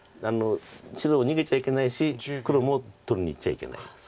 白逃げちゃいけないし黒も取りにいっちゃいけない。